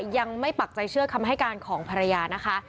ปักใจเชื่อคำให้การของภรรยานะคะ